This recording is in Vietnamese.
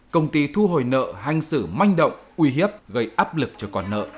công ty thu hồi nợ hành xử manh động uy hiếp gây áp lực cho con nợ